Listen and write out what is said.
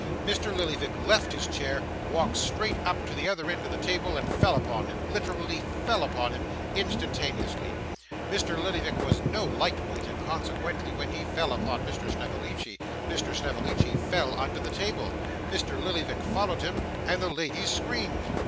Mr. Lillyvick left his chair, walked straight up to the other end of the table, and fell upon him literally fell upon him instantaneously. Mr. Lillyvick was no light weight, and consequently when he fell upon Mr. Snevellicci, Mr. Snevellicci fell under the table. Mr. Lillyvick followed him, and the ladies screamed.